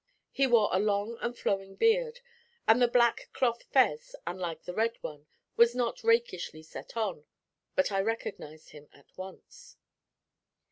He wore a long and flowing beard, and the black cloth fez, unlike the red one, was not rakishly set on; but I recognised him at once.